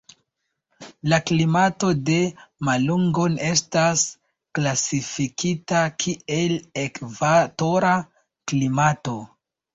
La klimato de Malungon estas klasifikita kiel ekvatora klimato.